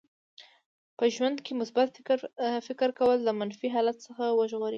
په ژوند کې مثبت فکر کول له منفي حالت څخه وژغوري.